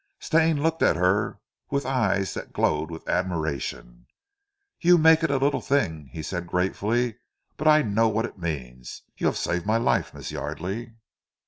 Stane looked at her with eyes that glowed with admiration. "You make it a little thing," he said gratefully, "but I know what it means. You have saved my life, Miss Yardely."